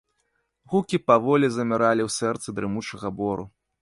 Гукі паволі заміралі ў сэрцы дрымучага бору.